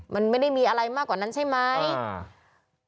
มันไม่ได้มีอะไรมากกว่านั้นใช่ไหมอ่า